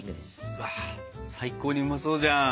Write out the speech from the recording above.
うわ最高にうまそうじゃん！